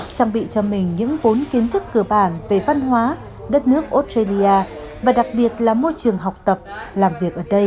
trang bị cho mình những vốn kiến thức cơ bản về văn hóa đất nước australia và đặc biệt là môi trường học tập làm việc ở đây